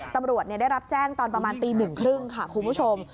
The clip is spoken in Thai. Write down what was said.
ตำรวจได้รับแจ้งตอนประมาณตี๑๓๐ค่ะคุณผู้ชม